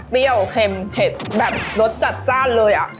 เปรี้ยวเข็มเผ็ดแบบรสจัดเลยอ่ะ